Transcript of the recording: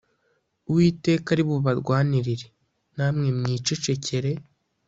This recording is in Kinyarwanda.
uwiteka ari bubarwanire, namwe mwicecekere